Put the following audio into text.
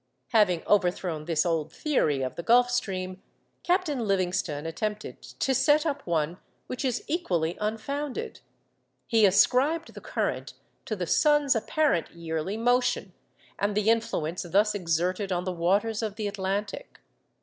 Having overthrown this old theory of the Gulf Stream, Captain Livingston attempted to set up one which is equally unfounded. He ascribed the current to the sun's apparent yearly motion and the influence thus exerted on the waters of the Atlantic.